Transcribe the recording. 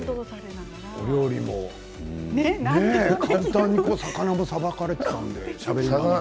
お料理も簡単に魚をさばかれていたのでしゃべりながら。